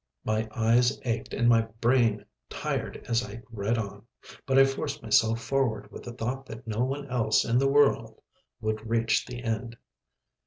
My eyes ached and my brain tired as I read on, but I forced myself forward with the thought that no one else in the world would reach the end.